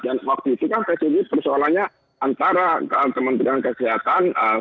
waktu itu kan psbb persoalannya antara kementerian kesehatan